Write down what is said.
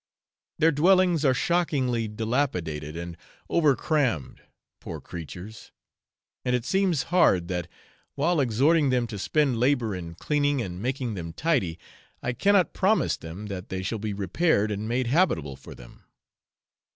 Their dwellings are shockingly dilapidated and over crammed poor creatures! and it seems hard that, while exhorting them to spend labour in cleaning and making them tidy, I cannot promise them that they shall be repaired and made habitable for them.